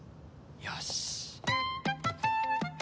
よし。